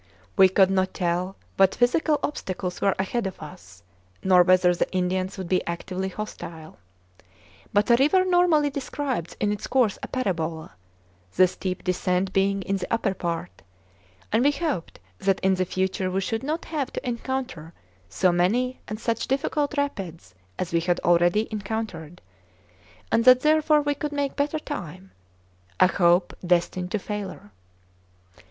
We could not tell what physical obstacles were ahead of us, nor whether the Indians would be actively hostile. But a river normally describes in its course a parabola, the steep descent being in the upper part; and we hoped that in the future we should not have to encounter so many and such difficult rapids as we had already encountered, and that therefore we would make better time a hope destined to failure.